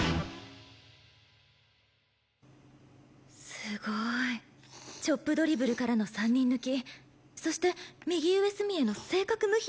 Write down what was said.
すごいチョップドリブルからの３人抜きそして右上隅への正確無比なシュート。